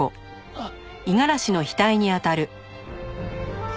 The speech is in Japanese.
あっ。